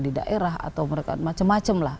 di daerah atau mereka macam macam lah